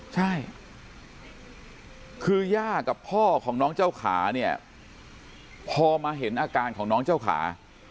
ใช่คือย่ากับพ่อของน้องเจ้าขาเนี่ยพอมาเห็นอาการของน้องเจ้าขา